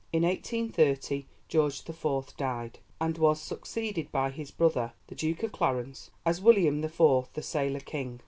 In 1830 George the Fourth died, and was succeeded by his brother, the Duke of Clarence, as William the Fourth, the 'sailor king.'